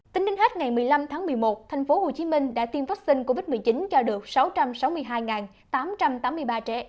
tính đến hết ngày một mươi năm tháng một mươi một thành phố hồ chí minh đã tiêm vaccine covid một mươi chín cho được sáu trăm sáu mươi hai tám trăm tám mươi ba trẻ